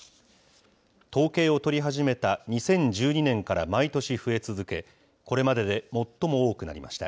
統計を取り始めた２０１２年から毎年増え続け、これまでで最も多くなりました。